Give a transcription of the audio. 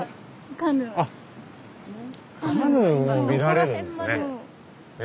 カヌーも見られるんですね。